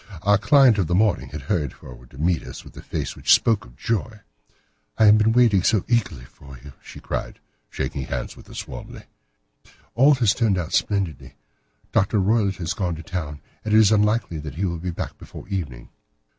Our client of the morning had hurried forward to meet us with a face which spoke her joy. "I have been waiting so eagerly for you," she cried, shaking hands with us warmly. "All has turned out splendidly. Dr. Roylott has gone to town, and it is unlikely that he will be back before evening."